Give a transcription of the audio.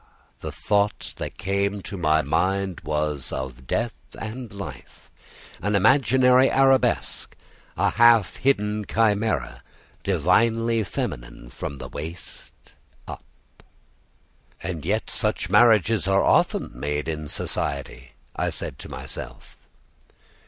the thought that came into my mind was of death and life, an imaginary arabesque, a half hideous chimera, divinely feminine from the waist up. "And yet such marriages are often made in society!" I said to myself.